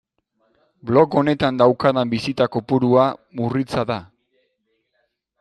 Blog honetan daukadan bisita kopurua murritza da.